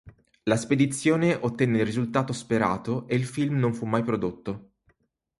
La spedizione ottenne il risultato sperato e il film non fu mai prodotto.